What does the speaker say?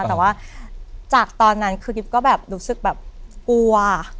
แต่ว่าจากตอนนั้นคือกิ๊บก็แบบรู้สึกแบบกลัว